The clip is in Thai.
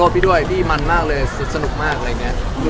พี่ด้วยมันมากเลยด้วย